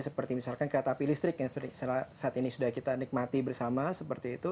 seperti misalkan kereta api listrik yang saat ini sudah kita nikmati bersama seperti itu